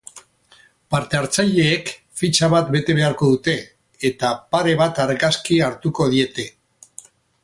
Parte-hartzaileek fitxa bat bete beharko dute, eta pare bat argazki hartuko diete.